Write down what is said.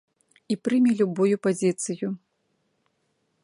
І прыме любую пазіцыю.